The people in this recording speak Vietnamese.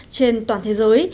trên toàn thế giới